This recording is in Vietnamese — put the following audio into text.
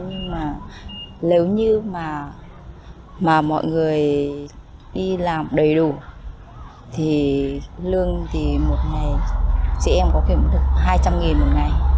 nhưng mà nếu như mà mọi người đi làm đầy đủ thì lương thì một ngày chị em có kiếm được hai trăm linh một ngày